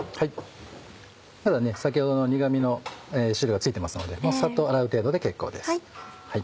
先ほどの苦味の汁がついてますのでサッと洗う程度で結構です。